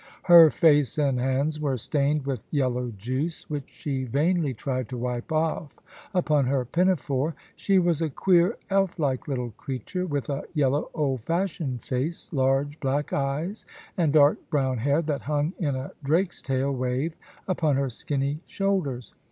Her face and hands were stained with yellow juice, which she vainly tried to wipe off upon her pinafore. She was a queer elf like little creature, with a yellow, old fashioned face, large black eyes, and dark brown hair, that hung in a drake's tail wave upon her skinny shoulders.